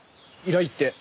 依頼って？